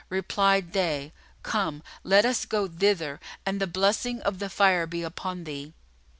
Replied they, "Come, let us go thither; and the blessing of the Fire be upon thee!"